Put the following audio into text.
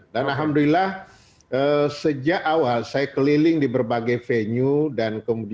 alhamdulillah sejak awal saya keliling di berbagai venue